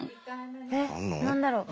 えっ何だろう？